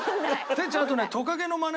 哲ちゃんあとね。